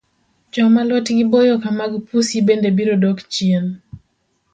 Joma lwetegi boyo ka mag pusi bende birodok chien.